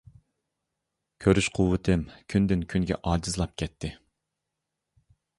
كۆرۈش قۇۋۋىتىم كۈندىن كۈنگە ئاجىزلاپ كەتتى.